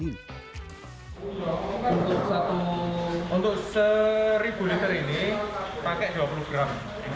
untuk seribu liter ini pakai dua puluh gram